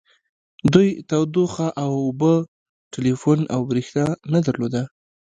دوی تودوخه اوبه ټیلیفون او بریښنا نه درلوده